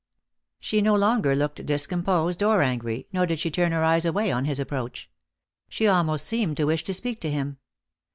She no longer looked discomposed or angry, nor did she turn her eyes away on his approach. She almost seemed to wish to speak to him.